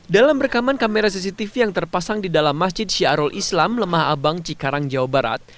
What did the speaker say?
dalam rekaman kamera cctv yang terpasang di dalam masjid syarul islam lemah abang cikarang jawa barat